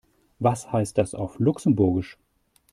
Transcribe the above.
Was heißt das auf Luxemburgisch?